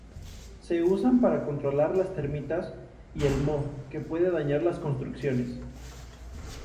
Se usan para controlar las termitas y el moho que pueden dañar las construcciones.